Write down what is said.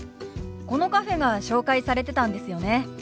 このカフェが紹介されてたんですよね？